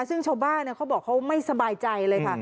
ซึ่งชาวบ้านเขาบอกเขาไม่สบายใจเลยค่ะ